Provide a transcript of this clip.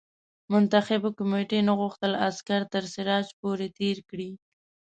منتخبي کمېټې نه غوښتل عسکر تر سراج پور تېر کړي.